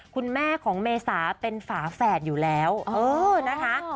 คุณแม่ของเมษาเป็นฝาแฝดอยู่แล้วเออนะคะ